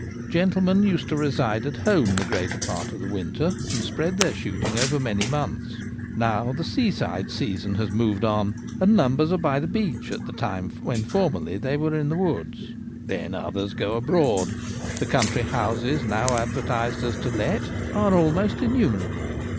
Gentlemen used to reside at home the greater part of the winter and spread their shoot ing over many months. Now, the seaside season has moved on, and numbers are by the beach at the time when formerly they were in the woods. Then others go abroad ; the country houses now advertised as ' to let* are almost innumerable.